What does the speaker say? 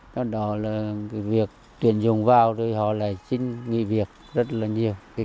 do đó việc tuyển dùng vào họ lại xin nghỉ việc rất nhiều